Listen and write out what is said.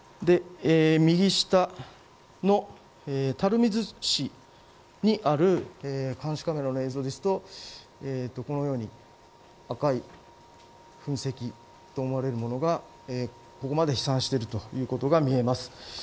右下の垂水市にある監視カメラの映像ですとこのように赤い噴石と思われるものがここまで飛散しているということが見えます。